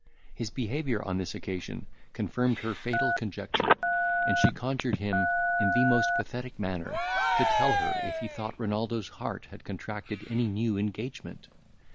His behaviour on this occasion confirmed her fatal conjecture; and she conjured him, in the most pathetic manner, to tell her if he thought Renaldo's heart had contracted any new engagement.